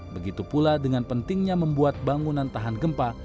begitu pula dengan pentingnya membuat bangunan tahan gempa